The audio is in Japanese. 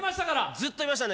ずっといましたんで。